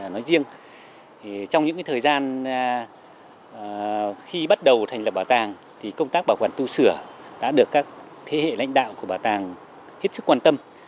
nói riêng trong những thời gian khi bắt đầu thành lập bảo tàng thì công tác bảo quản tu sửa đã được các thế hệ lãnh đạo của bảo tàng hết sức quan tâm